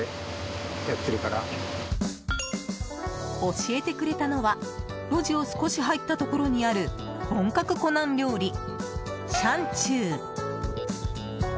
教えてくれたのは路地を少し入ったところにある本格湖南料理、湘厨。